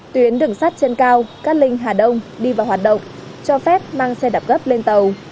tuyến đường sắt trên cao cát linh hà đông đi vào hoạt động cho phép mang xe đạp gấp lên tàu